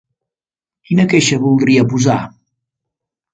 Quina queixa voldria posar?